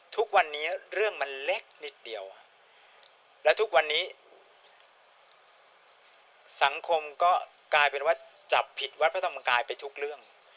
ทุกวันนี้เรื่องมันเล็กนิดเดียวและทุกวันนี้สังคมก็กลายเป็นว่าจับผิดวัดพระธรรมกายไปทุกเรื่อง